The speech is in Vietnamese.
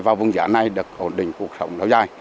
và vùng giá này được ổn định cuộc sống lâu dài